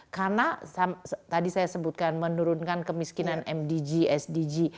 karena tadi saya sebutkan menurunkan kemiskinan mdg sdg